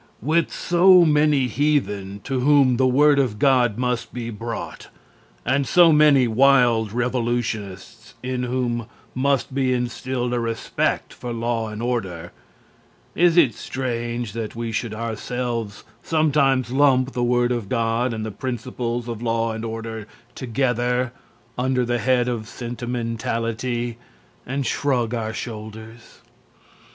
With so many heathen to whom the word of God must be brought and so many wild revolutionists in whom must be instilled a respect for law and order, is it strange that we should ourselves sometimes lump the word of God and the principles of law and order together under the head of "sentimentality" and shrug our shoulders?